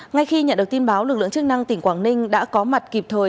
ngay khi nhận được tin báo lực lượng chức năng tỉnh quảng ninh đã có mặt kịp thời